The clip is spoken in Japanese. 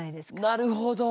なるほど。